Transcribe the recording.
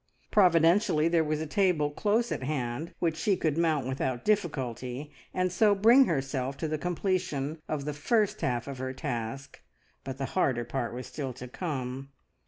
Providentially there was a table close at hand which she could mount without difficulty, and so bring herself to the completion of the first half of her task, but the harder part was still to come.